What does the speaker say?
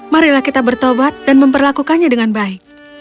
marilah kita bertobat dan memperlakukannya dengan baik